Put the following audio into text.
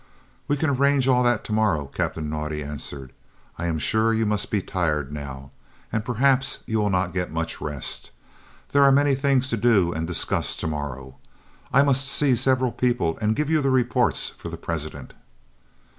"We can arrange all that to morrow," Captain Naudé answered. "I am sure you must be tired now, and perhaps you will not get much rest. There are many things to do and to discuss to morrow. I must see several people and give you the reports for the President."